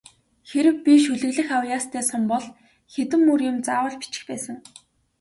Хэрэв би шүлэглэх авьяастай сан бол хэдэн мөр юм заавал бичих байсан.